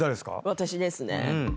私ですね。